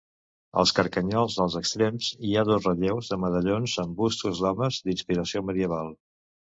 Als carcanyols dels extrems hi ha dos relleus de medallons amb bustos d'homes d'inspiració medieval.